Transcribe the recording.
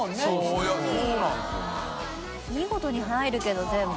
見事に入るけど全部。